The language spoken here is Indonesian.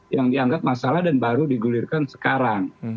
yang dianggap masalah dan baru digulirkan sekarang